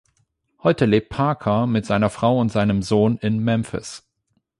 Heute lebt Parker mit seiner Frau und seinem Sohn in Memphis.